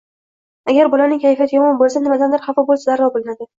agar bolaning kayfiyati yomon bo‘lsa, nimadandir xafa bo‘lsa darrov bilinadi.